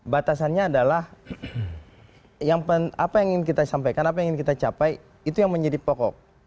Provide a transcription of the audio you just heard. batasannya adalah apa yang ingin kita sampaikan apa yang ingin kita capai itu yang menjadi pokok